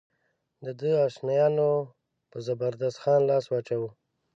د ده اشنایانو پر زبردست خان لاس واچاوه.